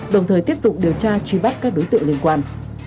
đồng thời tiếp tục điều tra truy bắt các đối tượng liên quan